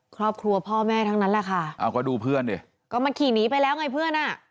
ครอบครัวพ่อแม่ทั้งนั้นแหละค่ะเอาก็ดูเพื่อนดิก็มันขี่หนีไปแล้วไงเพื่อนอ่ะ